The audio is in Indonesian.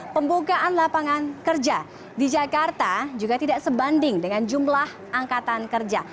pembukaan lapangan kerja di jakarta juga tidak sebanding dengan jumlah angkatan kerja